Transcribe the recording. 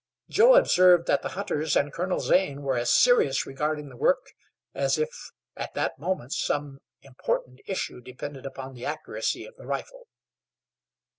Joe observed that the hunters and Colonel Zane were as serious regarding the work as if at that moment some important issue depended upon the accuracy of the rifle.